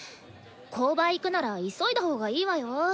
購買行くなら急いだほうがいいわよ。